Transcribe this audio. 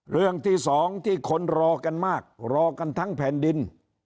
เรื่องที่สองที่คนรอกันมากรอกันทั้งแผ่นดิน